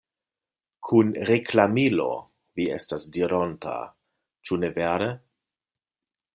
Kun reklamilo, vi estas dironta, ĉu ne vere!